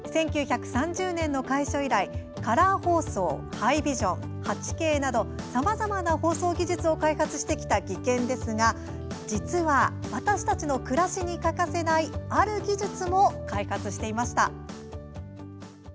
１９３０年の開所以来カラー放送、ハイビジョン８Ｋなど、さまざまな放送技術を開発してきた技研ですが実は私たちの暮らしに欠かせないある技術も開発していました。